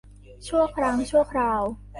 ชั่วครั้งชั่วคราว